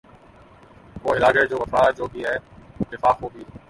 وہ حیلہ گر جو وفا جو بھی ہے جفاخو بھی